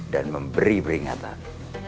dan memberi peringatan